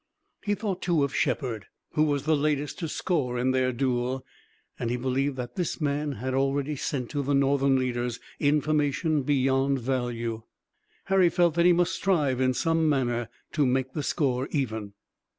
He thought, too, of Shepard, who was the latest to score in their duel, and he believed that this man had already sent to the Northern leaders information beyond value. Harry felt that he must strive in some manner to make the score even.